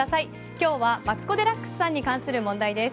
今日はマツコ・デラックスさんに関する問題です。